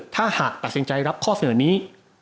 ถ้าหากตัดสินใจรับข้อเสนอนี้